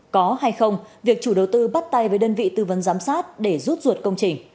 có hay không việc chủ đầu tư bắt tay với đơn vị tư vấn giám sát để rút ruột công trình